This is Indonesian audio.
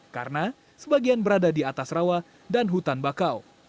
karena sebagian berada di atas rawa dan hutan bakau